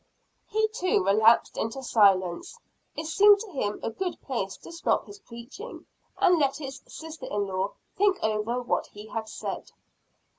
He, too, relapsed into silence. It seemed to him a good place to stop his preaching, and let his sister in law think over what he had said.